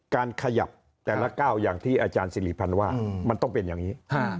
การขยับแต่ละก้าวอย่างที่อาจารย์สิริพันธ์ว่ามันต้องเป็นอย่างนี้